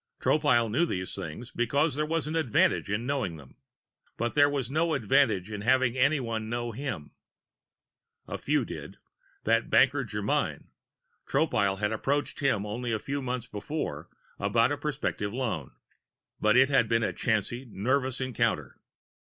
Tropile knew these things because there was an advantage in knowing them. But there was no advantage in having anyone know him. A few did that banker, Germyn; Tropile had approached him only a few months before about a prospective loan. But it had been a chancy, nervous encounter.